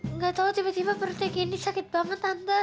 enggak tau tiba tiba perutnya gini sakit banget tante